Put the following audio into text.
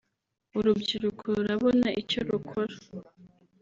urubyiruko rurabona icyo rukora